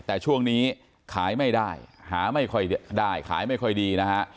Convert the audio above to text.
แต่ช่วงนี้ขายไม่ได้หาไม่ค่อยได้ขายไม่ค่อยดีนะฮะ